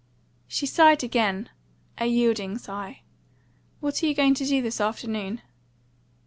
She sighed again a yielding sigh. "What are you going to do this afternoon?"